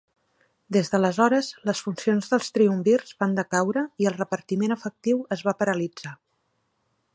Des d'aleshores, les funcions dels triumvirs van decaure i el repartiment efectiu es va paralitzar.